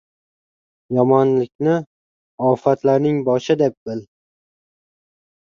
— Yomonlikni ofatlarning boshi, deb bil.